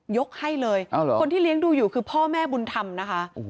ยกให้เลยคนที่เลี้ยงดูอยู่คือพ่อแม่บุญธรรมนะคะ